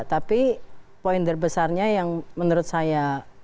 tapi poin terbesarnya yang menurut saya